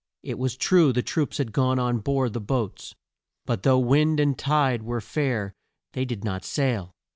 It was true the troops had gone on board the boats, but though wind and tide were fair they did not sail.